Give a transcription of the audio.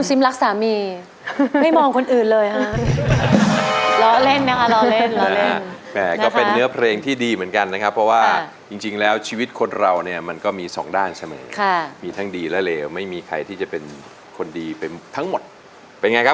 ชัดดีนะครับกรรมการทำงานง่าย